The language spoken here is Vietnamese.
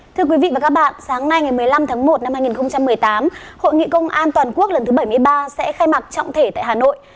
thưa quý vị và các bạn sáng nay ngày một mươi năm tháng một năm hai nghìn một mươi tám hội nghị công an toàn quốc lần thứ bảy mươi ba sẽ khai mạc trọng thể tại hà nội